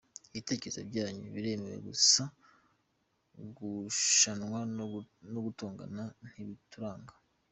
Ibitekerezo byanyu biremewe gusa gushwana no gutongana ntibiturange.